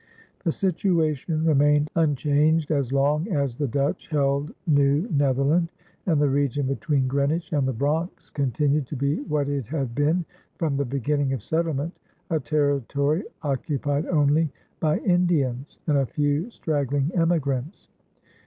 The situation remained unchanged as long as the Dutch held New Netherland, and the region between Greenwich and the Bronx continued to be what it had been from the beginning of settlement, a territory occupied only by Indians and a few straggling emigrants.